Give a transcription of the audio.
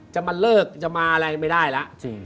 จะมาเลิกจะมาอะไรไม่ได้แล้ว